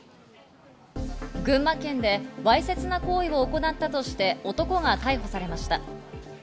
群馬県でわいせつな行為を行ったとして男が逮捕されました。